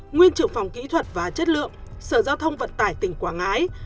nguyên trưởng phòng kỹ thuật và chất lượng sở giao thông vận tải tỉnh quảng ngãi